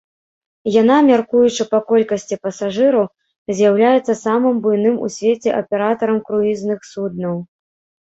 Яна, мяркуючы па колькасці пасажыраў, з'яўляецца самым буйным у свеце аператарам круізных суднаў.